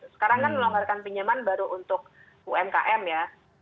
sekarang kan melonggarkan pinjaman baru untuk umkm ya